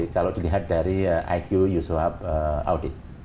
kalau dilihat dari iq usulap audit